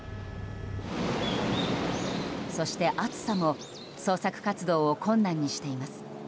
そして、暑さも捜索活動を困難にしています。